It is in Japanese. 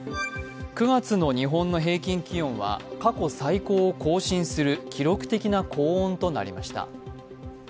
９月の日本の平均気温は過去最高を更新する記録的な高温となりました。